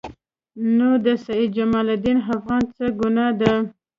نو د سید جمال الدین افغاني څه ګناه ده.